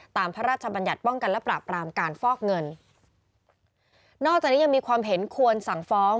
พระราชบัญญัติป้องกันและปราบรามการฟอกเงินนอกจากนี้ยังมีความเห็นควรสั่งฟ้อง